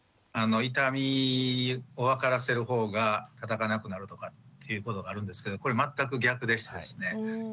痛みを分からせる方がたたかなくなるとかっていうことがあるんですけどこれ全く逆でしてですね。